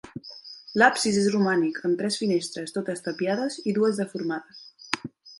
L'absis és romànic amb tres finestres, totes tapiades i dues deformades.